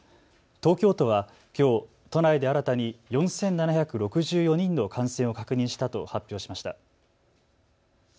東京都はきょう都内で新たに４７６４人の感染を確認したと発表しました。